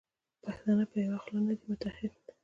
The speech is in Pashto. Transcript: پښتانه په یوه خوله نه دي متحد.